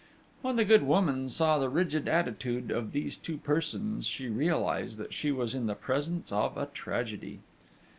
When the good woman saw the rigid attitude of these two persons, she realised that she was in the presence of a tragedy.